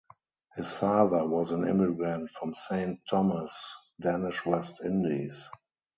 His father was an immigrant from Saint Thomas, Danish West Indies.